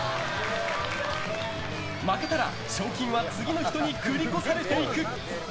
負けたら賞金は次の人に繰り越されていく。